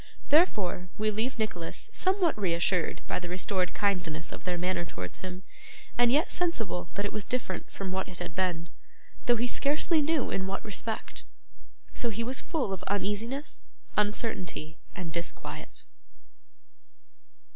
Therefore, we leave Nicholas somewhat reassured by the restored kindness of their manner towards him, and yet sensible that it was different from what it had been (though he scarcely knew in what respect): so he was full of uneasiness, uncertainty, and disquiet.